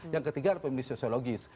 yang ketiga pemilih sosiologis